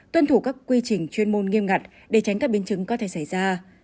tuân thủ các quy trình chuyên môn nghiêm ngặt để tránh các biến chứng có thể xảy ra